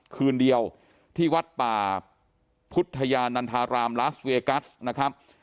คืนเดียวที่วัดป่าพุทธยานันทารามลาสเวกัสนะครับ